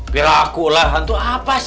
pirakula hantu apa sih